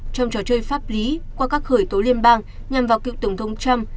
trong trò chơi pháp lý qua các khởi tố liên bang nhằm vào cựu tổng thống trump